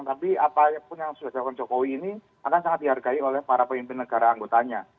tapi apapun yang sudah dilakukan jokowi ini akan sangat dihargai oleh para pemimpin negara anggotanya